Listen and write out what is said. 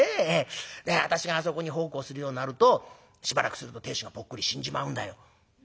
で私があそこに奉公するようになるとしばらくすると亭主がぽっくり死んじまうんだよ」。